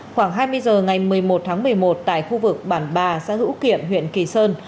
khoảng hai mươi h ngày một mươi một tháng một mươi một tại khu vực bản ba xã hữu kiệm huyện kỳ sơn